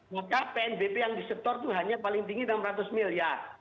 maka pnbp yang disetor itu hanya paling tinggi enam ratus miliar